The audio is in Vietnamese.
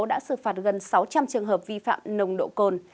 đã xử phạt gần sáu trăm linh trường hợp vi phạm nồng độ cồn